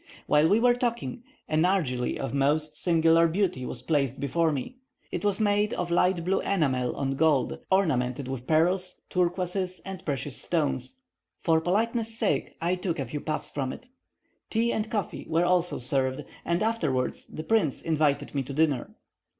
While we were talking, a nargilly of most singular beauty was placed before me; it was made of light blue enamel on gold, ornamented with pearls, turquoises, and precious stones. For politeness' sake, I took a few puffs from it. Tea and coffee were also served, and afterwards the prince invited me to dinner.